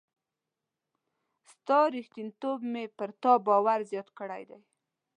ستا ریښتینتوب مي پر تا باور زیات کړی دی.